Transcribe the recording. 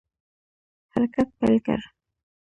حرکت پیل کړ.